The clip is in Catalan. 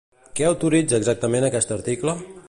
Què autoritza exactament aquest article?